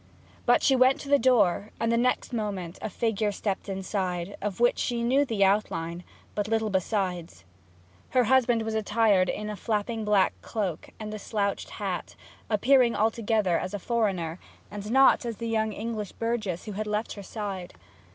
But she went to the door, and the next moment a figure stepped inside, of which she knew the outline, but little besides. Her husband was attired in a flapping black cloak and slouched hat, appearing altogether as a foreigner, and not as the young English burgess who had left her side.